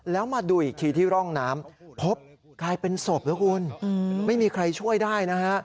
แล้วมาดูอีกทีที่ร่องน้ำพบกลายเป็นศพแล้วคุณไม่มีใครช่วยได้นะฮะ